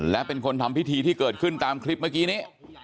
และเป็นคนทำพิธีที่เกิดขึ้นตามคลิปเมื่อกี้นี้